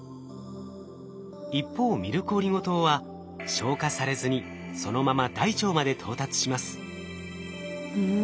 一方ミルクオリゴ糖は消化されずにそのまま大腸まで到達します。